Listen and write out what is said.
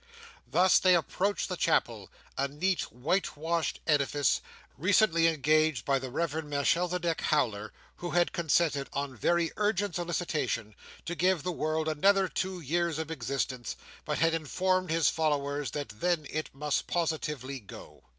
Thus they approached the chapel, a neat whitewashed edifice, recently engaged by the Reverend Melchisedech Howler, who had consented, on very urgent solicitation, to give the world another two years of existence, but had informed his followers that, then, it must positively go.